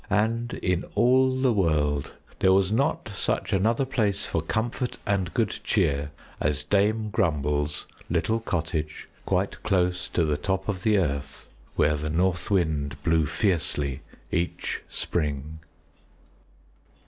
And in all the world there was not such another place for comfort and good cheer as Dame Grumble's little cottage quite close to the top of the earth where the North Wind blew fiercely each spring.